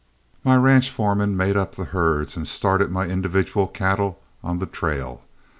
My ranch foremen made up the herds and started my individual cattle on the trail.